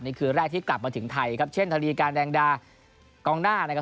คืนแรกที่กลับมาถึงไทยครับเช่นทรีการแดงดากองหน้านะครับ